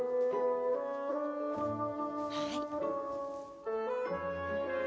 はい。